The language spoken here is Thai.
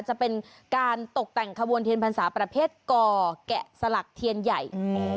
จะเป็นการตกแต่งขบวนเทียนพรรษาประเภทก่อแกะสลักเทียนใหญ่